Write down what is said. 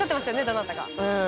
どなたか。